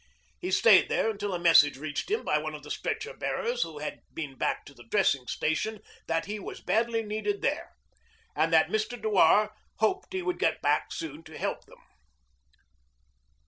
He stayed there until a message reached him by one of the stretcher bearers who had been back to the dressing station that he was badly needed there, and that Mr. Dewar hoped he would get back soon to help them.